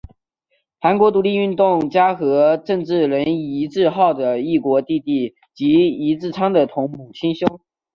韩国独立运动家和政治人尹致昊的异母弟弟及尹致昌的同母亲兄。